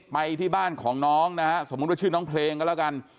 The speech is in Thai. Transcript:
ไปที่บ้านของน้องนะฮะสมมุติว่าชื่อน้องเพลงก็แล้วกัน